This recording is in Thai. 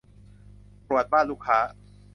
ตรวจบ้านลูกค้า